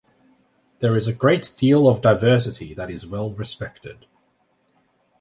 There is a great deal of diversity that is well respected.